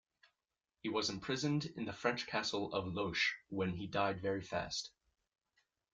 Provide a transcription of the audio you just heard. He was imprisoned in the French castle of Loches when he died very fast.